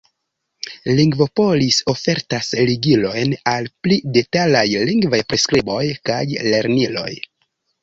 Lingvopolis ofertas ligilojn al pli detalaj lingvaj priskriboj kaj lerniloj.